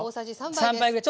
３杯ぐらい。